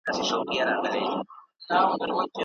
دولت په صنعتي پارکونو کي پانګونه کوي.